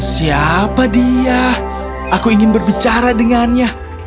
siapa dia aku ingin berbicara dengannya